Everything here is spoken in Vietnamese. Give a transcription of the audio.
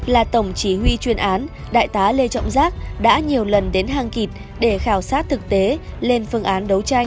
là tổng chí huy chuyên án đại tá lê trọng giác đã nhiều lần đến hang kỳt để khảo sát thực tế lên phương án đấu tranh